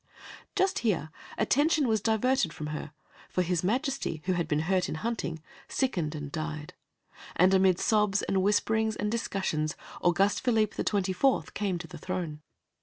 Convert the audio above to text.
Just here attention was diverted from her, for his Majesty, who had been hurt in hunting, sickened and died, and amid sobs and whisperings and discussions, Auguste Philippe the Twenty fourth came to the throne.